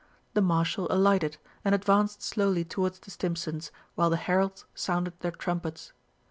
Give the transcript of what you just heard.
The Marshal alighted and advanced slowly towards the Stimpsons while the heralds sounded their trumpets.